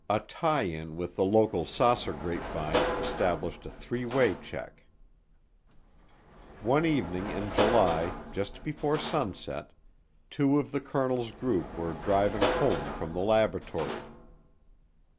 A tie in with the local saucer grapevine established a three way check. One evening in July, just before sunset, two of the colonel's group were driving home from the laboratory.